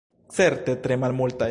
Certe tre malmultaj.